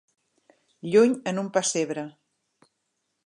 Lluny en un pessebre.